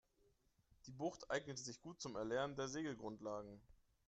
Die Bucht eignet sich gut zum Erlernen der Segelgrundlagen.